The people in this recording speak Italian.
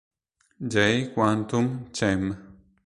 J. Quantum Chem.